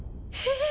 えっ。